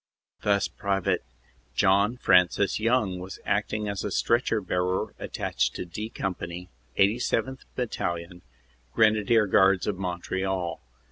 Thus Pte. John Francis Young was acting as stretcher bearer at tached to D Company, 87th. Battalion, Grenadier Guards of Montreal.